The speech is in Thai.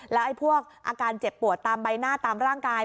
แล้วไอ้พวกอาการเจ็บปวดตามใบหน้าตามร่างกาย